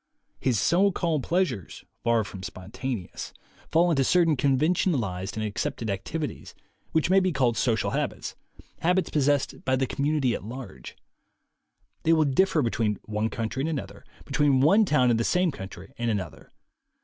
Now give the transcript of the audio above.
His so called pleasures, far from spontaneous, fall into THE WAY TO WILL POWER 69 certain conventionalized and accepted activities, which may be called social habits, habits possessed by the community at large. They will differ be tween one country and another, between one town in the same country and another.